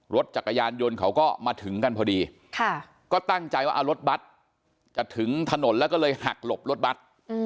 รถจักรยานยนต์เขาก็มาถึงกันพอดีก็ตั้งใจว่ารถบัตรจะถึงถนนแล้วก็เลยหักหลบรถบัตร